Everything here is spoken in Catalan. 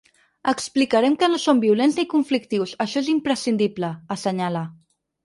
Explicarem que no som violents ni conflictius, això és imprescindible, assenyala.